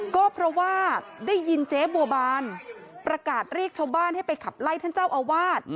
ก็เพราะว่าได้ยินเจ๊บัวบานประกาศเรียกชาวบ้านให้ไปขับไล่ท่านเจ้าอาวาส